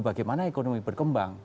bagaimana ekonomi berkembang